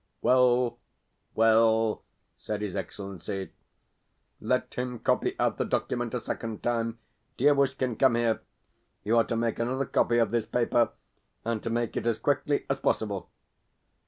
"Well, well," said his Excellency, "let him copy out the document a second time. Dievushkin, come here. You are to make another copy of this paper, and to make it as quickly as possible."